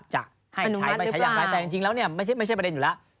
จะให้ใช้ไม่ใช้อย่างไรแต่จริงแล้วเนี่ยไม่ใช่ประเด็นอยู่แล้ว